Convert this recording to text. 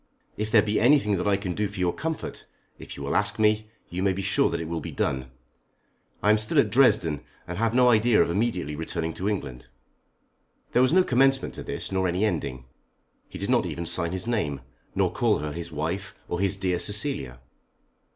If there be anything that I can do for your comfort, if you will ask me, you may be sure that it will be done. I am still at Dresden, and have no idea of immediately returning to England." There was no commencement to this, nor any ending. He did not even sign his name, nor call her his wife, or his dear Cecilia.